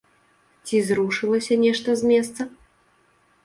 Ці зрушылася нешта з месца?